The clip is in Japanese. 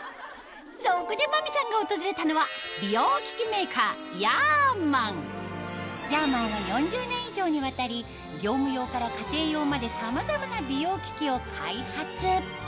そこで真美さんが訪れたのは美容機器メーカーヤーマンは４０年以上にわたり業務用から家庭用までさまざまな美容機器を開発